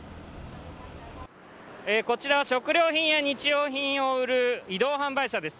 こちら、食料品や日用品を売る移動販売車です。